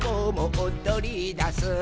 おどりだす」